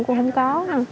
cũng không có